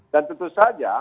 dan tentu saja